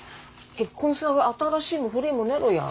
結婚さ新しいも古いもねえろや。